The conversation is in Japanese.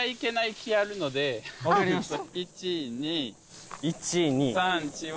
分かりました。